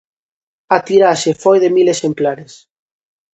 A tiraxe foi de mil exemplares.